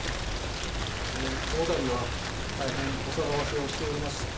このたびは大変お騒がせをしておりました。